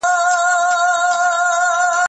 حضوري ټولګي کي بحث او تبادله بې ګډون نه کيږي.